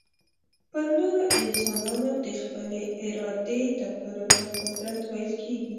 پر نورو انسانانو د خپلي ارادې تپلو ته قدرت ويل کېږي.